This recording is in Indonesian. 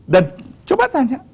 dan coba tanya